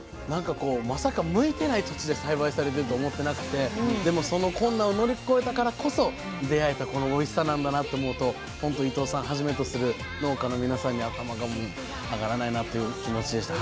まさか向いてない土地で栽培されてるとは思ってなくてでもその困難を乗り越えたからこそ出会えたこのおいしさなんだなと思うとほんと伊藤さんはじめとする農家の皆さんに頭が上がらないなという気持ちでした。